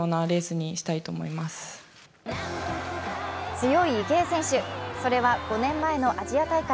強い池江選手、それは５年前のアジア大会。